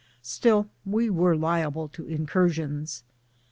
Still we were liable to incursions.